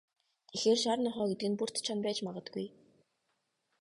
Тэгэхээр, шар нохой гэдэг нь Бөртэ Чоно байж магадгүй.